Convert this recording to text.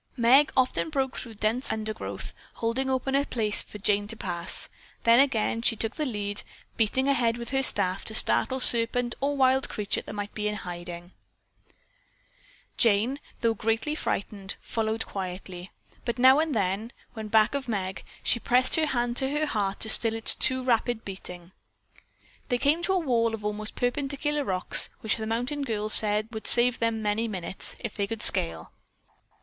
Meg often broke through dense undergrowth, holding open a place for Jane to pass, then again she took the lead, beating ahead with her staff to startle serpent or wild creature that might be in hiding. Jane, though greatly frightened, followed quietly, but now and then, when back of Meg, she pressed her hand to her heart to still its too rapid beating. They came to a wall of almost perpendicular rocks which the mountain girl said would save them many minutes if they could scale.